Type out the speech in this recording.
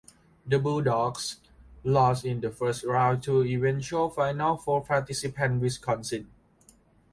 The Bulldogs lost in the first round to eventual Final Four participant Wisconsin.